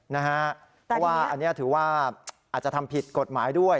เพราะว่าอันนี้ถือว่าอาจจะทำผิดกฎหมายด้วย